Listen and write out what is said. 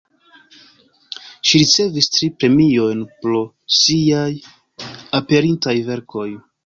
Ŝi ricevis tri premiojn pro siaj aperintaj verkoj.